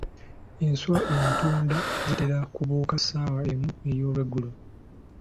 Enswa entunda zitera kubuuka ssaawa emu ey'olweggulo.